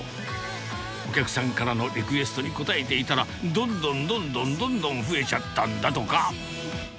お客さんからのリクエストに応えていたら、どんどんどんどんどんどん増えちゃったんだとか。